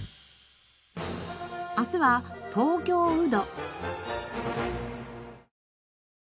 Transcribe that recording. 明日は東京ウド。